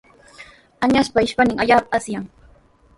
Añaspa ishpayninqa allaapami asyan.